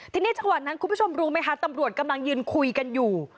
ทีนี้จังหวะนั้นคุณผู้ชมรู้ไหมคะตำรวจกำลังยืนคุยกันอยู่